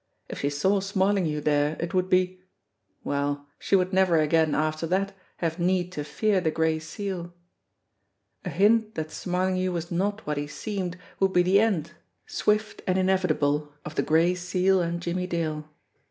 If she saw Smarlinghue there it would be Well, she would never again after that have need to fear the Gray Seal ! A hint that Smarlinghue was not what he seemed would be the end, swift and inevitable, of the Gray Seal and Jimmie Dale!